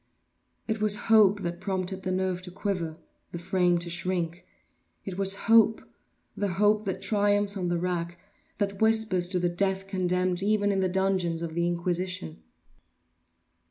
It was hope that prompted the nerve to quiver—the frame to shrink. It was hope—the hope that triumphs on the rack—that whispers to the death condemned even in the dungeons of the Inquisition.